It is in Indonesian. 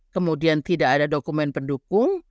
kemudian tidak ada dokumen pendukung